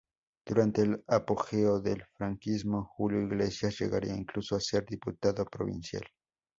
Durante el apogeo del franquismo Julio Iglesias llegaría incluso a ser diputado provincial.